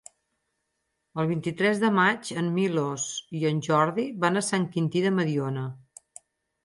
El vint-i-tres de maig en Milos i en Jordi van a Sant Quintí de Mediona.